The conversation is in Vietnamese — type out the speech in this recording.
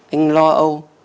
anh lo âu